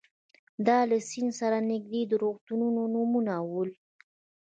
دا له سیند سره نږدې د روغتونونو نومونه ول.